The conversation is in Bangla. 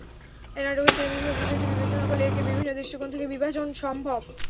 নাটকের শ্রেণিবিভাগের বিষয়টি বিবেচনা করলে একে বিভিন্ন দৃষ্টিকোণ থেকে বিভাজন সম্ভব।